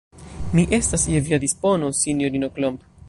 Mi estas je via dispono, sinjorino Klomp.